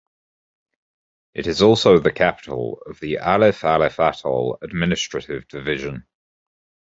It is also the capital of the Alif Alif Atoll administrative division.